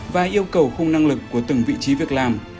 và yêu cầu khung năng lực của từng vị trí việc làm